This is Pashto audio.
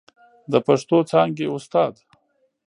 د پښتو څانګې استاد